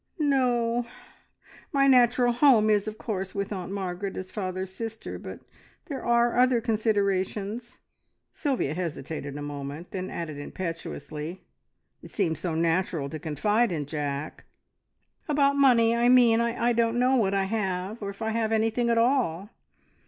"No: my natural home is, of course, with Aunt Margaret as father's sister, but there are other considerations." Sylvia hesitated a moment, then added impetuously it seemed so natural to confide in Jack! "About money, I mean. I don't know what I have, or if I have anything at all.